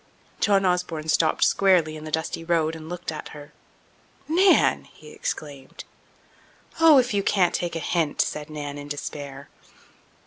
John Osborne stopped squarely in the dusty road and looked at her. "Nan!" he exclaimed. "Oh, if you can't take a hint!" said Nan in despair.